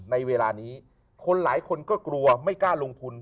ในเวลานี้คนหลายคนก็กลัวไม่กล้าลงทุน